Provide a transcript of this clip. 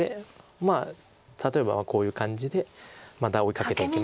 まあ例えばこういう感じでまた追いかけていきます